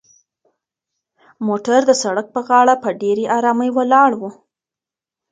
موټر د سړک په غاړه په ډېرې ارامۍ ولاړ و.